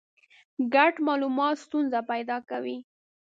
ګډ مالومات ستونزه پیدا کوي.